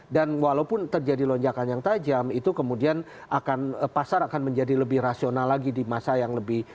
dan walaupun terjadi lonjakan yang tajam pasar akan menjadi lebih rasional lagi di masa yang lebih